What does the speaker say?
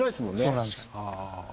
そうなんです。